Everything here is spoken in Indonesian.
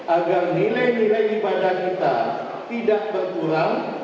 agar nilai nilai ibadah kita tidak berkurang